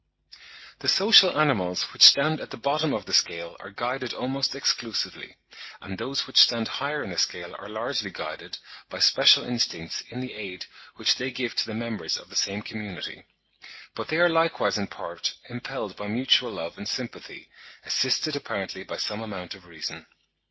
The social animals which stand at the bottom of the scale are guided almost exclusively, and those which stand higher in the scale are largely guided, by special instincts in the aid which they give to the members of the same community; but they are likewise in part impelled by mutual love and sympathy, assisted apparently by some amount of reason.